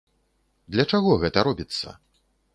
Для чаго гэта робіцца?